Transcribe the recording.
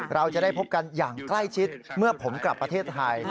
เราจะได้พบกันอย่างใกล้ชิดเมื่อผมกลับประเทศไทย